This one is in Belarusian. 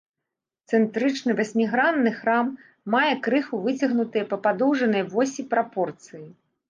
Цэнтрычны васьмігранны храм мае крыху выцягнутыя па падоўжанай восі прапорцыі.